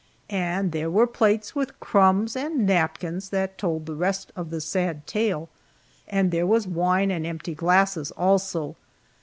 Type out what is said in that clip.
And there were plates with crumbs, and napkins, that told the rest of the sad tale and there was wine and empty glasses, also.